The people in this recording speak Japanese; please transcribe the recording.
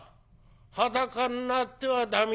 裸んなっては駄目だよ」。